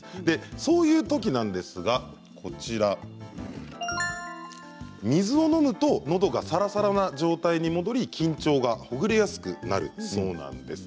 そういうときなんですが水を飲むと、のどがさらさらな状態に戻り、緊張がほぐれやすくなるそうなんです。